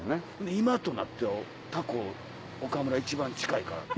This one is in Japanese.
今となっては「タコは岡村一番近いから」って。